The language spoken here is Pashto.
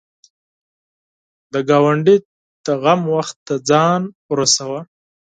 د ګاونډي د غم وخت ته ځان ورسوه